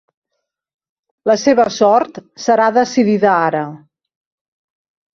La seva sort serà decidida ara.